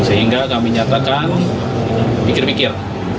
sehingga kami nyatakan pikir pikir